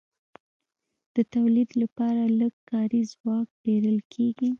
د تولید لپاره لږ کاري ځواک پېرل کېږي